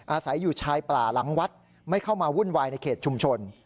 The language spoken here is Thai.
อาศัยอยู่ชายป่าหลังวัดไม่เข้ามาวุ่นวายในเขตชุมชน